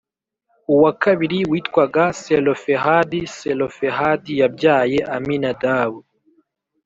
uwa kabiri witwaga Selofehadi Selofehadi yabyaye aminadabu